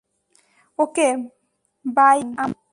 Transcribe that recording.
ওকে bye আমান।